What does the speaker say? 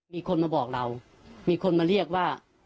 มีคนมาบอกเรามีคนมาเรียกว่า